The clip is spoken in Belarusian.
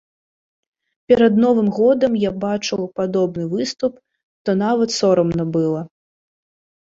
Перад новым годам я бачыў падобны выступ, то нават сорамна было.